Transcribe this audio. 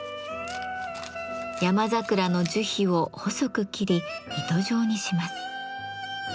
山桜の樹皮を細く切り糸状にします。